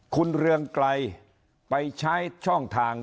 คุณเรืองไกรไปใช้ช่องทาง